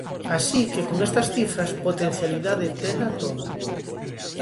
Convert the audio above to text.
Así que con estas cifras, potencialidade tena toda.